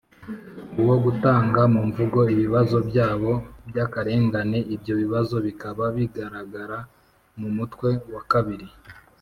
Uwo gutanga mu mvugo ibibazo byabo by akarengane ibyo bibazo bikaba bigaragara mu mutwe wa kabiri